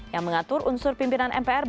yang mengatur unsur pimpinan mpr